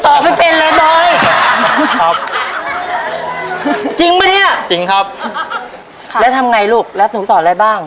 ตอกไข่เพราะมึงยังตอไม่เป็นเลยด๊อย